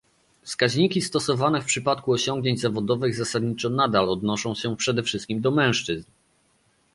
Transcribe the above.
Wskaźniki stosowane w przypadku osiągnięć zawodowych zasadniczo nadal odnoszą się przede wszystkim do mężczyzn